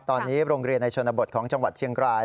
ตอนนี้โรงเรียนในชนบทของจังหวัดเชียงราย